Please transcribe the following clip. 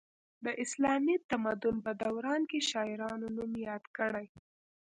د اسلامي تمدن په دوران کې شاعرانو نوم یاد کړی.